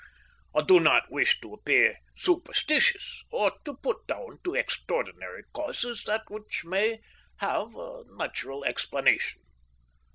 I did not wish to appear superstitious, or to put down to extraordinary causes that which may have a natural explanation.